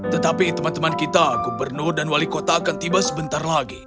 tetapi teman teman kita gubernur dan wali kota akan tiba sebentar lagi